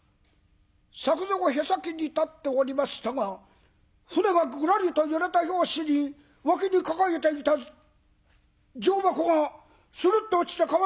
作蔵はへさきに立っておりましたが船がぐらりと揺れた拍子に脇に抱えていた状箱がするっと落ちて川の中へ。